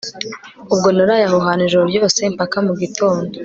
ubwo naraye aho hantu ijoro ryose mpaka mugitondo